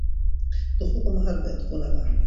د خوب پر مهال باید خونه ارامه وي.